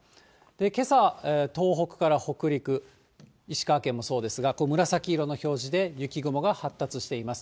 けさは東北から北陸、石川県もそうですが、紫色の表示で雪雲が発達しています。